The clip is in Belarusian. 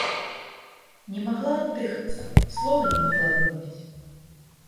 Не магла аддыхацца, слова не магла вымавіць.